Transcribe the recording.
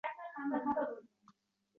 Begona avval-oxir